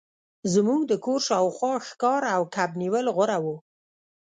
زموږ د کور شاوخوا ښکار او کب نیول غوره وو